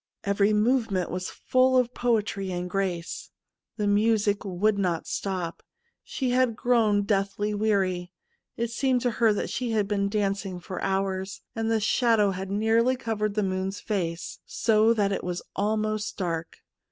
Every movement was full of poetry and grace. The music would not stop. She had grown deathly weary. It seemed to her that she had been dancing for hours, and the shadow had nearly covered the moon's face, so that it was almost dark.